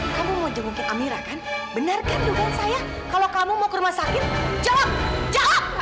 kamu mau jemputin amirah kan benarkan dugaan saya kalau kamu mau ke rumah sakit jawab jawab